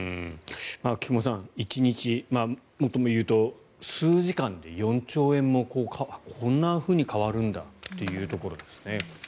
菊間さん、１日もっと言うと数時間で４兆円もこんなふうに変わるんだというところですね。